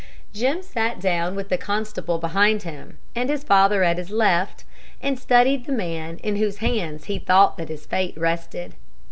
Jim sat down, with the constable behind him and his father at his left, and studied the man in whose hands he thought that his fate rested.